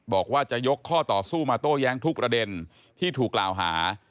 บอกว่าจะยกข้อต่อสู้มาโต้แย้งทุกประเด็นที่ถูกกล่าวหา